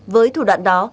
với thủ đoạn đó